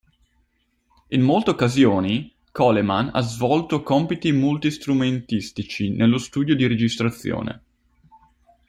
In molte occasioni, Coleman ha svolto compiti multi-strumentistici nello studio di registrazione.